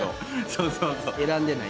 そうそうそう。